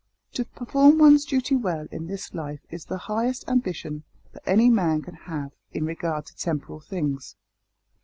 To perform one's duty well in this life is the highest ambition that any man can have in regard to temporal things.